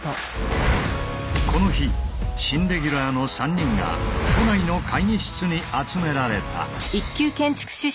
この日新レギュラーの３人が都内の会議室に集められた。